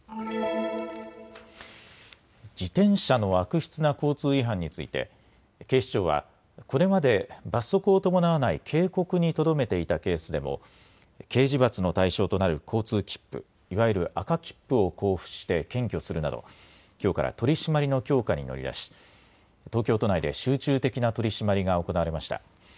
自転車の悪質な交通違反について警視庁はこれまで罰則を伴わない警告にとどめていたケースでも刑事罰の対象となる交通切符、いわゆる赤切符を交付して検挙するなどきょうから取締りの強化に乗り出し東京都内で集中的な取締りが行われました。